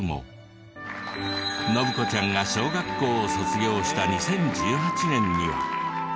洵子ちゃんが小学校を卒業した２０１８年には。